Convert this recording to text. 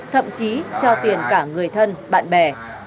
thậm chí cho tiền cả người thân bạn bè